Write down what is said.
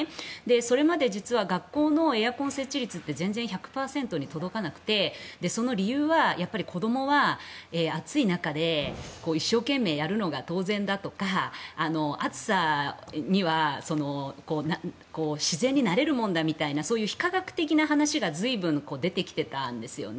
それまで実は学校のエアコン設置率って全然１００％に届かなくてその理由は、子どもは暑い中で一生懸命やるのが当然だとか、暑さには自然に慣れるもんだみたいなそういう非科学的な話が随分出てきていたんですよね。